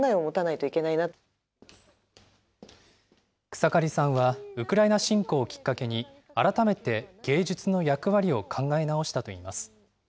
草刈さんは、ウクライナ侵攻をきっかけに、改めて芸術の役割を考え直したといいます。